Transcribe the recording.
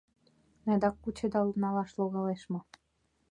Адак кучедал налаш логалеш мо?..